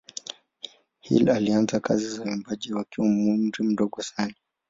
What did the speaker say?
Hill alianza kazi za uimbaji wakiwa na umri mdogo sana.